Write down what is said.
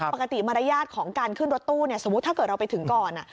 ปกติมารยาทของการขึ้นรถตู้สมมุติถ้าเกิดเราไปถึงก่อน